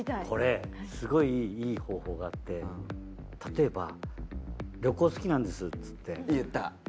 これすごいいい方法があって例えば旅行好きなんですっつって。